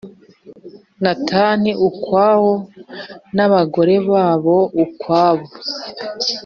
Natani ukwawo n abagore babo ukwabo